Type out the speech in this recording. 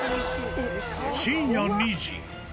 深夜２時。